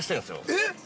◆えっ！